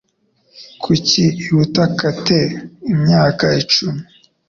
Kuki iruta Kate imyaka icumi